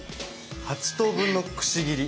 ８等分のくし切り？